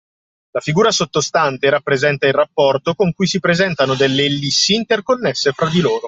La figura sottostante rappresenta il rapporto con cui si presentano delle ellissi interconnesse tra di loro